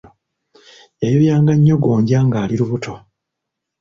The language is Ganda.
Yayoyanga nnyo gonja ng'ali lubuto.